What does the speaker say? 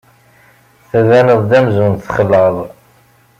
Tbaneḍ-d amzun txelɛeḍ.